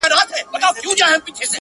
يا په تنکي زخم کښې ستا د ياد شغله راؤړې